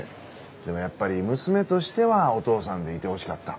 でもやっぱり娘としてはお父さんでいてほしかった。